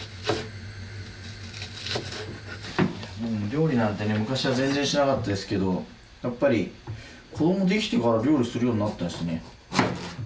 料理なんてね昔は全然しなかったですけどやっぱり子どもできてから料理するようになったしね。